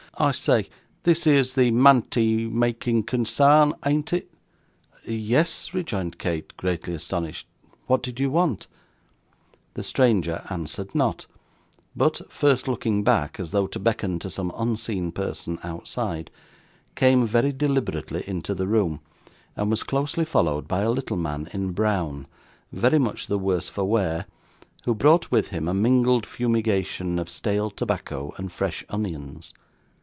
'I say; this here's the mantie making consarn, an't it?' 'Yes,' rejoined Kate, greatly astonished. 'What did you want?' The stranger answered not; but, first looking back, as though to beckon to some unseen person outside, came, very deliberately, into the room, and was closely followed by a little man in brown, very much the worse for wear, who brought with him a mingled fumigation of stale tobacco and fresh onions.